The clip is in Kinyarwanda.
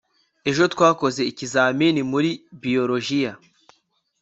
ejo twakoze ikizamini muri biologiya